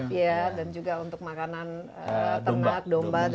dan juga untuk makanan ternak domba dan lain sebagainya